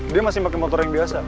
dia masih pakai motor yang biasa